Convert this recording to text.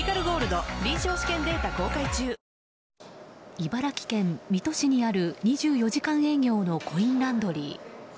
茨城県水戸市にある２４時間営業のコインランドリー。